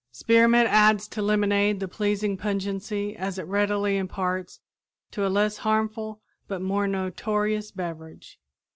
Spearmint adds to lemonade the pleasing pungency it as readily imparts to a less harmful but more notorious beverage.